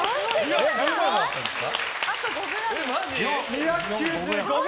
２９５ｇ！